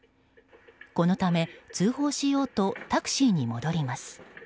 このため、通報しようとタクシーに戻ります。